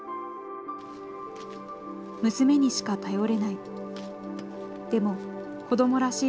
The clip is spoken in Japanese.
娘にしか頼れない。